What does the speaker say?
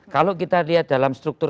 kalau kita lihat dalam struktur